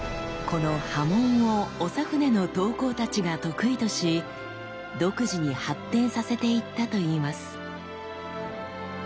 この刃文を長船の刀工たちが得意とし独自に発展させていったといいます。